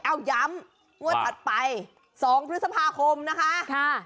เอาย้ำงวดถัดไป๒พฤษภาคมนะคะ